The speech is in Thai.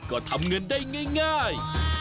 ก็ทำเงินได้ง่าย